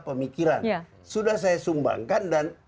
pemikiran sudah saya sumbangkan dan